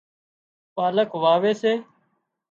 پالڪ واوي سي